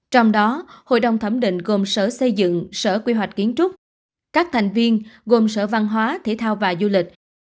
trong đó hội đồng thẩm định gồm sở xây dựng sở quy hoạch kiến trúc các thành viên gồm sở văn hóa thể thao và du lịch